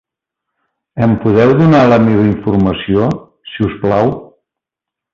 Em podeu donar la meva informació, si us plau?